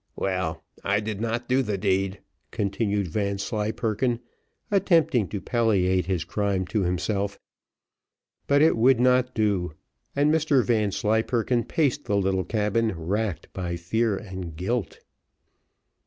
Well, I did not do the deed," continued Vanslyperken, attempting to palliate his crime to himself; but it would not do, and Mr Vanslyperken paced the little cabin racked by fear and guilt.